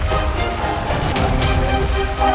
jadi mulus belakang dulu dah